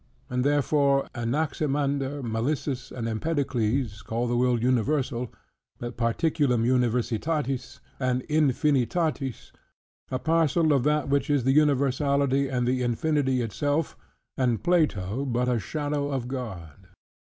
And therefore Anaximander, Melissus, and Empedocles, call the world universal, but "particulam universitatis" and "infinitatis," a parcel of that which is the universality and the infinity inself; and Plato, but a shadow of God.